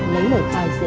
lấy lời khai dễ dàng hơn